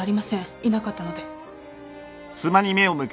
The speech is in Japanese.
いなかったので。